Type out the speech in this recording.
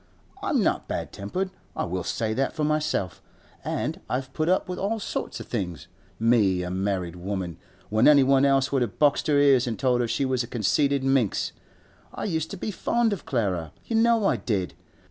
I'm not bad tempered, I will say that for myself, an' I've put up with all sorts of things (me, a married woman), when anyone else would have boxed her ears and told her she was a conceited minx. I used to be fond of Clara; you know I did.